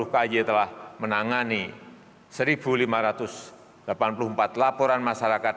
ky telah menangani satu lima ratus delapan puluh empat laporan masyarakat